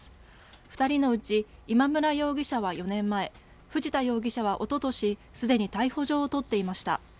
２人のうち今村容疑者は４年前、藤田容疑者はおととし、すでに逮捕状を取っていました。